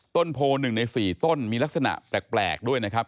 ต้นโพ๑ใน๔ต้นมีลักษณะแปลกด้วยนะครับ